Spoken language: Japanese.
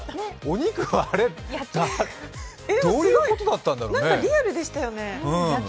なんかリアルでしたよね。